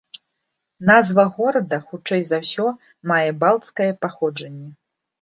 Назва горада хутчэй за ўсё мае балцкае паходжанне.